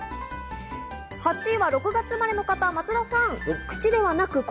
８位は６月生まれの方、松田さん。